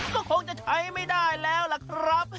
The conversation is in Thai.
ก็คงจะใช้ไม่ได้แล้วล่ะครับ